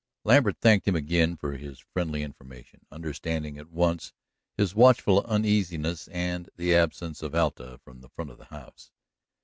Lambert thanked him again for his friendly information, understanding at once his watchful uneasiness and the absence of Alta from the front of the house.